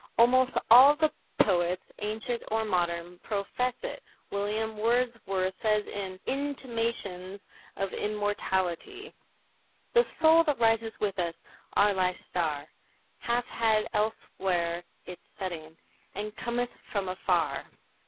Almost all of the poets, ancient or modern, profess it. William Wordsworth says in "Intimations of Immortality:" "The soul that rises with us, our life's star, Hath had elsewhere its setting, And cometh from afar."